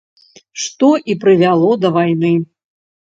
Што і прывяло да вайны.